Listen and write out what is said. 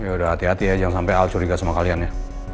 ya udah hati hati ya jangan sampai al curiga sama kalian ya